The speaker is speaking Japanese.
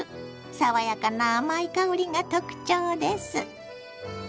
爽やかな甘い香りが特徴です。